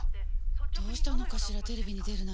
どうしたのかしらテレビに出るなんて。